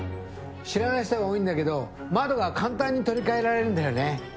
知らない人が多いんだけど窓が簡単に取り替えられるんだよね。